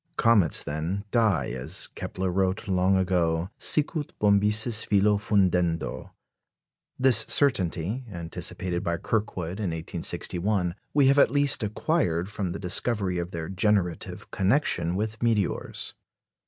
Comets, then, die, as Kepler wrote long ago, sicut bombyces filo fundendo. This certainty, anticipated by Kirkwood in 1861, we have at least acquired from the discovery of their generative connection with meteors.